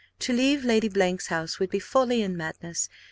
To leave Lady 's house would be folly and madness.